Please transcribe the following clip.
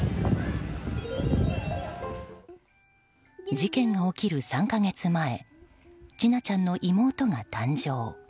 事件が起きる３か月前千奈ちゃんの妹が誕生。